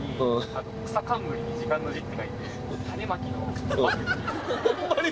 草冠に時間の「時」って書いて種蒔きの「蒔」。